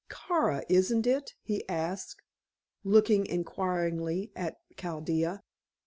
"Kara, isn't it?" he asked, looking inquiringly at Chaldea.